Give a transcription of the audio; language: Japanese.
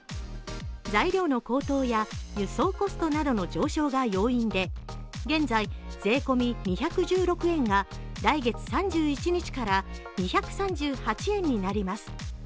材料の高騰や輸送コストなどの上昇が要因で、現在、税込み２１６円が来月３１日から２３８円になります。